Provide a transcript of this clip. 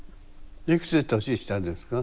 いくつ年下ですか？